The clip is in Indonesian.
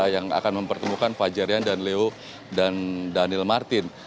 yang akan mempertemukan fajar rian dan leo dan daniel martin